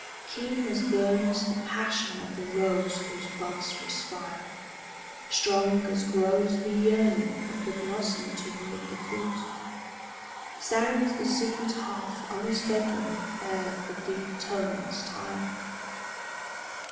Keen as burns the passion of the rose whose buds respire, Strong as grows the yearning of the blossom toward the fruit, Sounds the secret half unspoken ere the deep tones tire.